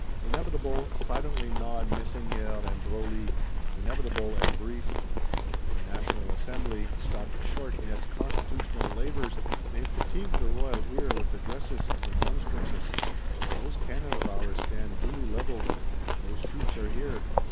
Inevitable, silently nod Messeigneurs and Broglie: Inevitable and brief! Your National Assembly, stopped short in its Constitutional labours, may fatigue the royal ear with addresses and remonstrances: those cannon of ours stand duly levelled; those troops are here.